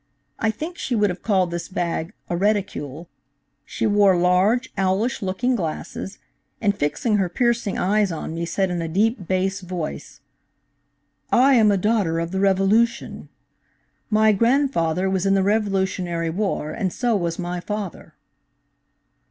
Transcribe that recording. I think she would have called this bag a reticule. She wore large, owlish looking glasses, and fixing her piercing eyes on me said in a deep, bass voice: 'I am a Daughter of the Revolution. "'My grandfather was in the Revolutionary War, and so was my father.'